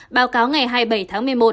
báo cáo ngày hai mươi bảy tháng một mươi một